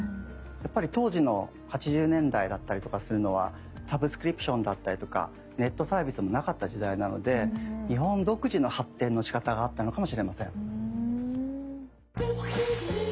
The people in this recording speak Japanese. やっぱり当時の８０年代だったりとかするのはサブスクリプションだったりとかネットサービスもなかった時代なので日本独自の発展のしかたがあったのかもしれません。